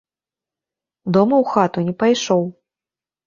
Дома ў хату не пайшоў.